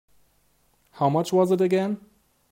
How much was it again?